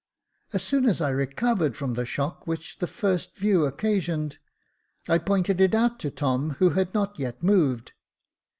As soon as I recovered from the shock which the first view occasioned, I pointed it out to Tom, who had not yet moved.